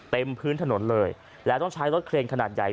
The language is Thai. เต็มพื้นถนนเลยแล้วต้องใช้รถเครนขนาดใหญ่